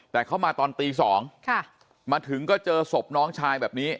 แต่เขามาตอนตี๒มาถึงก็เจอศพน้องชายแบบนี้